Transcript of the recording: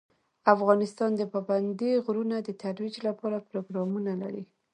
افغانستان د پابندی غرونه د ترویج لپاره پروګرامونه لري.